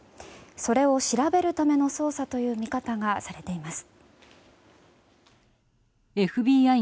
それを調べるための捜査という見方がされています。